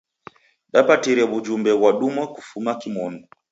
Dapatire w'ujumbe ghwadumwa kufuma kimonu.